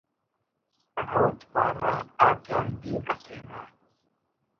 رود پارہ) آتیان دیر ایترہ